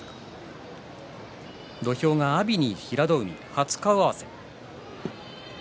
土俵が阿炎に平戸海初顔合わせ。